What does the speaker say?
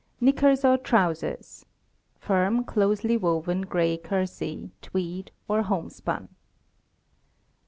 Knickers or trousers (firm, closely woven gray kersey, tweed, or homespun).